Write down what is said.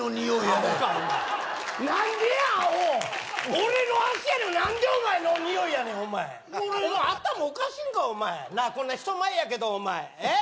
俺の足やのに何でお前のニオイやねんお前俺のお前頭おかしいんかお前なあこんな人前やけどお前えっ！